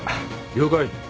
了解。